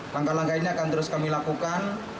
langkah langkah ini akan terus kami lakukan